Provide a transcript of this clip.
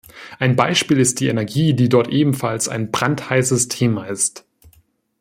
Ein Beispiel ist die Energie, die dort ebenfalls ein brandheißes Thema ist.